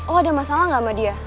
oh ada masalah gak sama dia